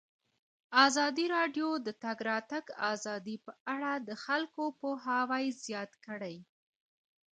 ازادي راډیو د د تګ راتګ ازادي په اړه د خلکو پوهاوی زیات کړی.